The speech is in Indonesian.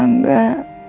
aku merasa agak sedih